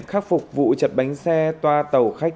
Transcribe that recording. khắc phục vụ chật bánh xe toa tàu khách